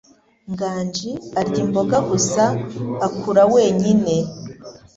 Nganji arya imboga gusa akura wenyine.